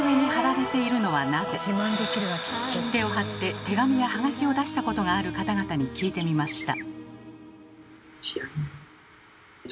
切手を貼って手紙や葉書を出したことがある方々に聞いてみました。